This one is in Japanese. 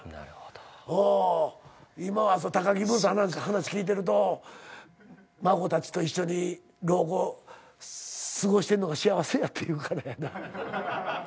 今は高木ブーさんなんか話聞いてると孫たちと一緒に老後過ごしてんのが幸せやっていうからやな。